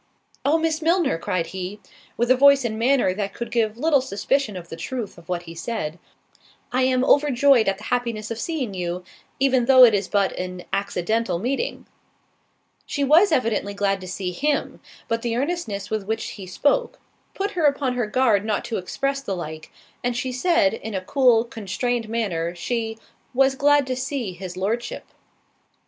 "Oh, Miss Milner," cried he, (with a voice and manner that could give little suspicion of the truth of what he said) "I am overjoyed at the happiness of seeing you, even though it is but an accidental meeting." She was evidently glad to see him; but the earnestness with which he spoke, put her upon her guard not to express the like, and she said, in a cool constrained manner, she "Was glad to see his Lordship."